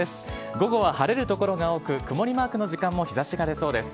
午後は晴れる所が多く、曇りマークの時間も日ざしが出そうです。